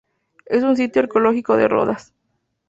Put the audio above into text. Es un sitio arqueológico de Rodas.